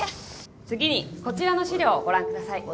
次にこちらの資料をご覧ください。